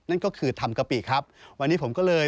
นั่นก็คือทำกะปิครับวันนี้ผมก็เลย